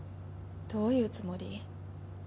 どういうつもり？